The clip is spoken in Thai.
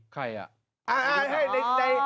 ใครอ่ะ